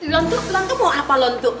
lontu lontu mau apa lontu